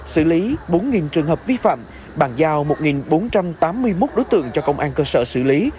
xử lý bốn trường hợp vi phạm bàn giao một bốn trăm tám mươi một đối tượng cho công an cơ sở xử lý